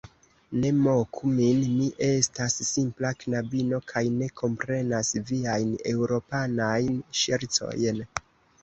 Ne moku min; mi estas simpla knabino, kaj ne komprenas viajn Eŭropanajn ŝercojn.